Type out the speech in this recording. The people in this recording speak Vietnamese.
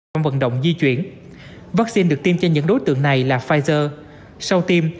trong vận động di chuyển vaccine được tiêm cho những đối tượng này là pfizer sau tiêm